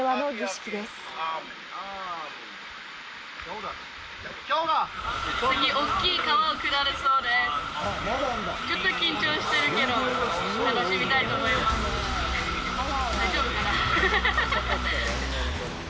ちょっと緊張してるけど楽しみたいと思います。